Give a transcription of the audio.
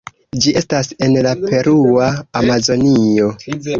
Ĝi estas en la Perua Amazonio.